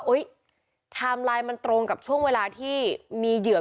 ไทม์ไลน์มันตรงกับช่วงเวลาที่มีเหยื่อ